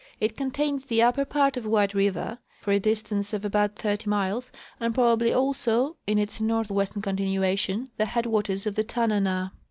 It contains the upper part of White river for a distance of about thirty miles, and probably also in its north Avestern continuation the headAvaters of the Tananah.